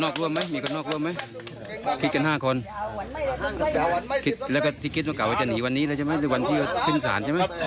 คร้อนทางอยู่นะ